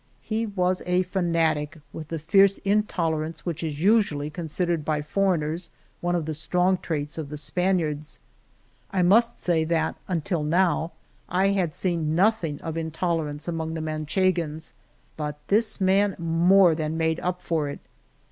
He was a fanatic, with the fierce intolerance which is usually considered by foreigners one of the strong traits of the Spaniards. I must say that, un til now, I had seen nothing of intolerance among the Manchegans ; but this man more than made up for it.